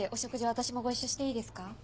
私もご一緒していいですか？